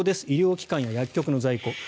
医療機関や薬局の在庫。